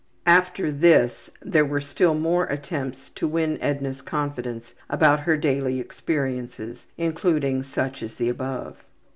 After this there was still more attempts to win Edna's confidence about her daily experiences, including such as the above.